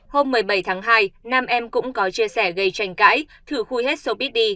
hôm một mươi bảy tháng hai nam em cũng có chia sẻ gây tranh cãi thử khui hết showbiz đi